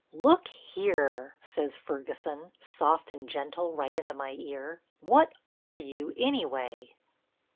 "Look here," says Ferguson, soft and gentle right into my ear, "what are you, anyway?"